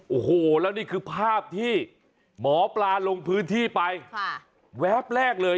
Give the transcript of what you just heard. โอ้โหแล้วนี่คือภาพที่หมอปลาลงพื้นที่ไปแวบแรกเลย